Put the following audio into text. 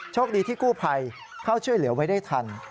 โชคดีที่กู้ภัยเข้าช่วยเหลือไว้ได้ทัน